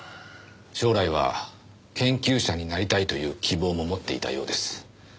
将来は研究者になりたいという希望も持っていたようです。